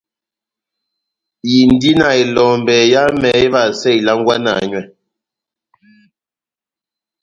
Indi na elombɛ yámɛ évahasɛ ilangwana nywɛ.